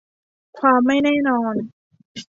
ความไม่แน่นอน